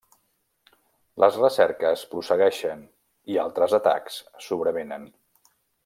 Les recerques prossegueixen, i altres atacs sobrevenen.